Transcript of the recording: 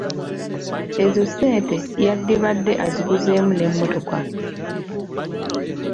Ezo ssente yadibadde aziguzeemu n'emmotoka"